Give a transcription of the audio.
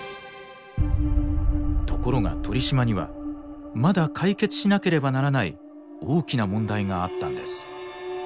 ところが鳥島にはまだ解決しなければならない大きな問題があったんです。